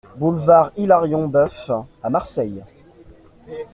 Boulevard Hilarion Boeuf à Marseille